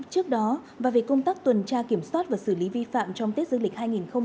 trước đó và về công tác tuần tra kiểm soát và xử lý vi phạm trong tết dương lịch hai nghìn hai mươi bốn